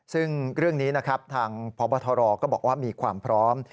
ซึ่งเรื่องนี้นะครับทางพบทรก็บอกว่ามีความพร้อม